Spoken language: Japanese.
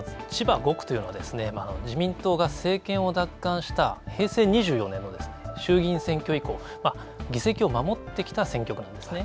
千葉５区というのは自民党が政権を奪還した平成２４年の衆議院選挙以降、議席を守ってきた選挙区なんですね。